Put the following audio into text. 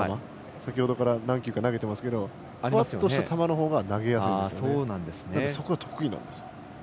先ほどから何球か投げてますけどふわっとした球のほうが投げやすいですね。